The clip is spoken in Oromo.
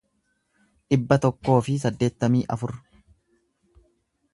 dhibba tokkoo fi saddeettamii afur